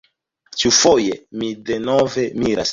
Ĉiufoje mi denove miras.